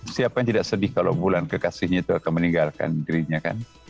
siapa yang tidak sedih kalau bulan kekasihnya itu akan meninggalkan dirinya kan